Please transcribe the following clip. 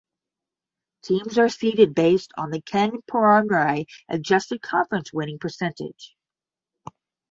Teams are seeded based on the Ken Pomeroy Adjusted Conference Winning Percentage.